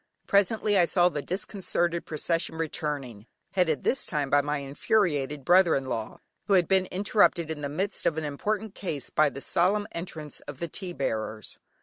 Presently I saw the disconcerted procession returning, headed this time by my infuriated brother in law, who had been interrupted in the midst of an important case, by the solemn entrance of the tea bearers.